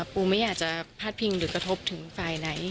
ปูไม่อยากจะพาดพิงหรือกระทบถึงฝ่ายไหน